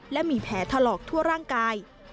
และมีแผลถลอกทั่วร่างกาย